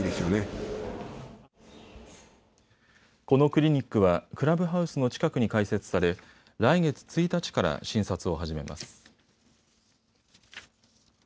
このクリニックはクラブハウスの近くに開設され来月１日から診察を始めます。